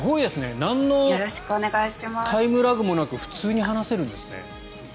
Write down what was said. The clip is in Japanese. なんのタイムラグもなく普通に話せるんですね。